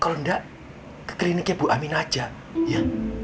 kalau enggak ke kliniknya bu amin aja ya